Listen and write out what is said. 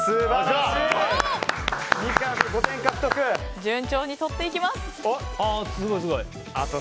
順調にとっていきます。